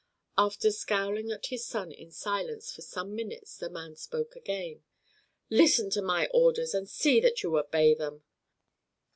After scowling at his son in silence for some minutes the man spoke again. "Listen to my orders and see that you obey them.